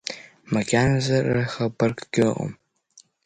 Макьаназы рыхабаркгьы ыҟам…